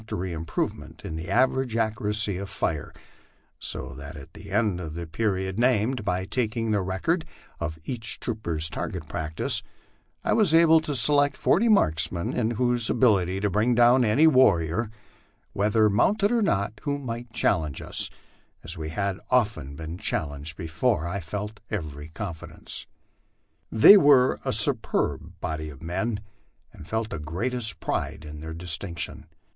141 tory improvement in the average accuracy of fire ; so that at the end of the period named, by taking the record of each trooper's target practice, I was en abled to select forty marksmen in whose ability to bring down any warrior, whether mounted or not, who might challenge us, as we had often been chal lenged before, I felt every confidence. They were a superb body of men, and felt the greatest pride in their distinction.